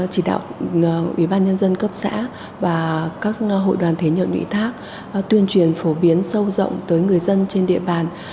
chỉ đạo ủy ban nhân dân cấp xã và các hội đoàn thế nhận ủy thác tuyên truyền phổ biến sâu rộng tới người dân trên địa bàn